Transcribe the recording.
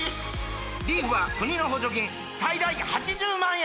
リーフは国の補助金最大８０万円！